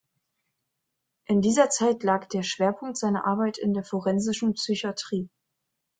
In dieser Zeit lag der Schwerpunkt seiner Arbeit in der forensischen Psychiatrie.